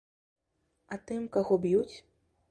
А тым, каго б'юць?